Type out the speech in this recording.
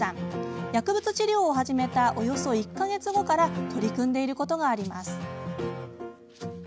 薬物治療を始めたおよそ１か月後から取り組んでいることがあります。